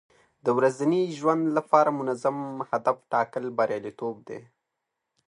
د ورځني ژوند لپاره منظم هدف ټاکل بریالیتوب دی.